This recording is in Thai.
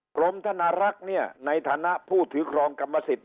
กรมธนารักษ์เนี่ยในฐานะผู้ถือครองกรรมสิทธิ